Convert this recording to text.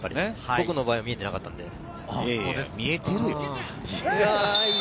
僕の場合は見えていなかったんで。